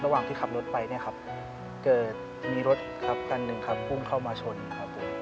ที่ขับรถไปเนี่ยครับเกิดมีรถครับคันหนึ่งครับพุ่งเข้ามาชนครับผม